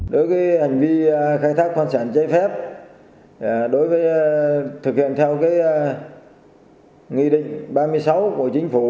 đối với hành vi khai thác khoáng sản trái phép thực hiện theo nghị định ba mươi sáu của chính phủ